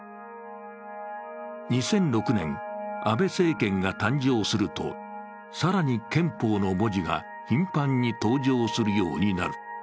２００６年、安倍政権が誕生すると、更に憲法の文字が頻繁に登場するようになる。